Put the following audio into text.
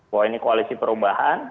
bahwa ini koalisi perubahan